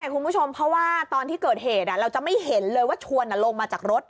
คุณผู้ชมเพราะว่าตอนที่เกิดเหตุเราจะไม่เห็นเลยว่าชวนลงมาจากรถ